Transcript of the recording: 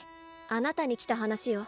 あなたに来た話よ。